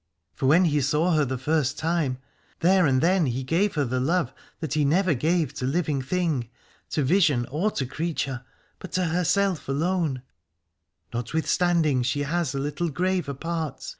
For when he saw her the first time, there and then he gave her the love that he never gave to living thing, to vision, or to creature, but to herself alone. 328 Alad ore Notwithstanding she has a little grave apart.